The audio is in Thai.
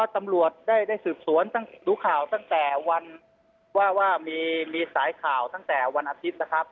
ตำรวจได้สืบสวนรู้ข่าวตั้งแต่วันว่ามีสายข่าวตั้งแต่วันอาทิตย์นะครับ